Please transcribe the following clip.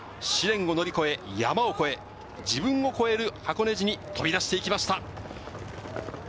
試練を乗り越え、山を越え、自分を超える箱根路に飛び出していきました。